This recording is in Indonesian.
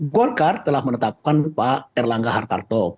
golkar telah menetapkan pak erlangga hartarto